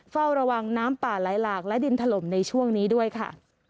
เฝ้าระวังน้ำป่าไหลหลากและดินถล่มในช่วงนี้ด้วยค่ะ